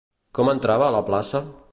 Com entrava a la plaça?